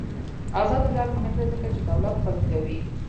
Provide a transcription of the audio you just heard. آزاد تجارت مهم دی ځکه چې دولت قوي کوي.